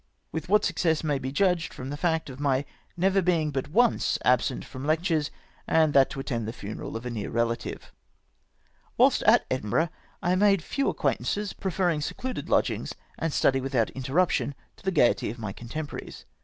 With what success may be judged from the fact of my never being but once absent from lectures, and that to attend the funeral of a near relative. Wliilst at Edinburgh, I made few acquaintances, preferring secluded lodgings and study without inter ruption to the gaiety of my contemporaries.